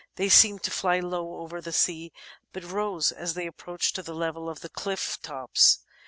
They seemed to fly low over the sea, but rose as they approached to the level of the cliflF tops.